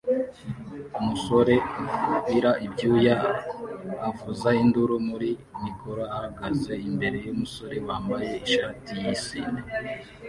Umusore ubira ibyuya avuza induru muri mikoro ahagaze imbere yumusore wambaye ishati yisine